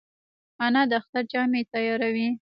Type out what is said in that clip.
انا د اختر جامې تیاروي